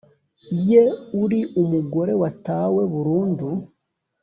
ye uri umugore watawe burundu